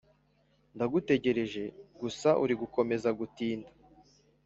Ndagutegereje gusauri gukomeza gutinda